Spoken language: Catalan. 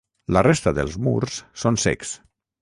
La resta dels murs són cecs.